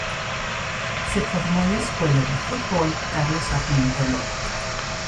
Se formó en la Escuela de Fútbol Carlos Sarmiento Lora.